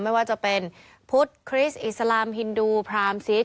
ไม่ว่าจะเป็นพุทธคริสต์อิสลามฮินดูพรามซิส